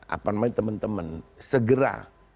apa namanya teman teman segera